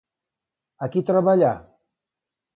A qui troba allà?